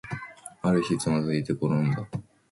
ある日、つまずいてころんだ